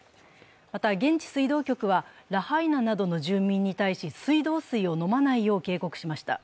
また、現地水道局はラハイナなどの住民に対し水道水を飲まないよう警告しました。